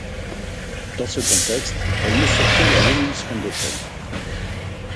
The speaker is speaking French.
Dans ce contexte, elle met sur pied la Women's Foundation.